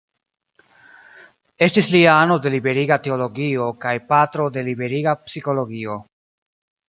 Estis li ano de Liberiga Teologio kaj patro de Liberiga Psikologio.